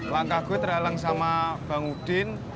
langkah gue terhalang sama bang udin